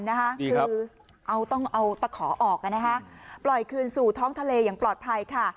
คือต้องเอาตะขอออกปล่อยคืนสู่ท้องทะเลอย่างปลอดภัยค่ะ